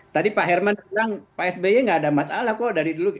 tadi pak herman bilang pak sby nggak ada masalah kok dari dulu